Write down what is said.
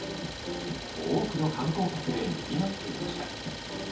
多くの観光客でにぎわっていました。